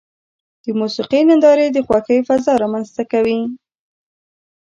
د موسیقۍ نندارې د خوښۍ فضا رامنځته کوي.